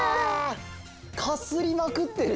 かすりまくってる！